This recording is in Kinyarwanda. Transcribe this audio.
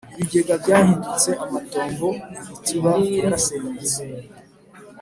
Ibigega byahindutse amatongo Imitiba yarasenyutse